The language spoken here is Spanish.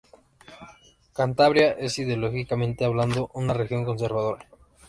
Cantabria es, ideológicamente hablando, una región conservadora.